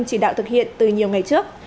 chỉ đạo thực hiện từ nhiều ngày trước